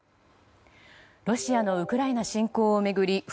ロシアのウクライナ侵攻を巡り